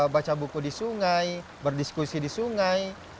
baca buku di sungai berdiskusi di sungai